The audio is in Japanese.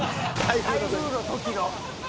台風の時の。